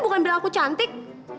bukan bilang aku cantik